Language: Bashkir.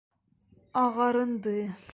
Ағарынды.